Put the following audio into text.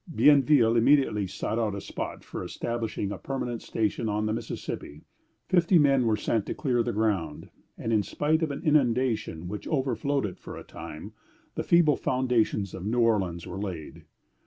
Bienville immediately sought out a spot for establishing a permanent station on the Mississippi. Fifty men were sent to clear the ground, and in spite of an inundation which overflowed it for a time, the feeble foundations of New Orleans were laid.